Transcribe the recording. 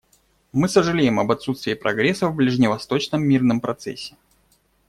Мы сожалеем об отсутствии прогресса в ближневосточном мирном процессе.